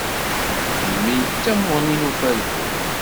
Mmi d tamuɣli n ufalku.